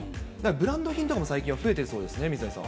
ブランド品なんかも最近は増えてるそうですね、水谷さん。